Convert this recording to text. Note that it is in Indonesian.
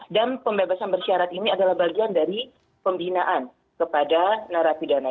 dan pembebasan bersyarat ini adalah bagian dari pembinaan kepada narapidana